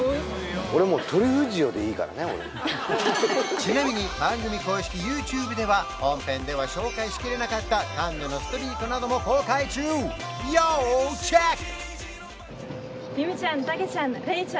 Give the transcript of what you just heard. ちなみに番組公式ＹｏｕＴｕｂｅでは本編では紹介しきれなかったカンヌのストリートなども公開中要チェック！